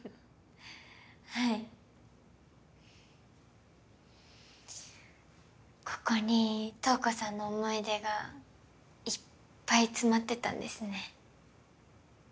はいここに瞳子さんの思い出がいっぱい詰まってたんですね